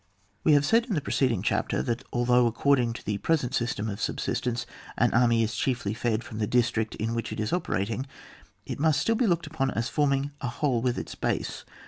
We have said in the preceding chapter, that, although according to the present system of subsistence, an army is chiefly fed from the district in which it is operating, it must still bo looked upon as forming a whole with its base.